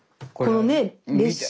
このねえ列車。